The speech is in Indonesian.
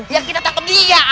ya kita tangkep dia